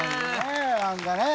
何かね。